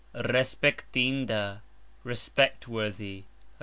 Respektinda :respect worthy.